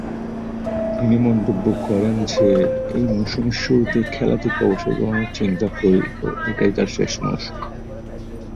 তিনি মন্তব্য করেন যে, এ মৌসুমের শুরুতেই খেলা থেকে অবসর গ্রহণের কথা চিন্তা করি ও এটিই তার শেষ মৌসুম।